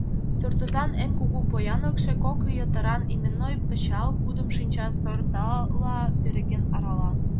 Суртозан эн кугу поянлыкше — кок йытыран именной пычал, кудым шинчасортала переген арала.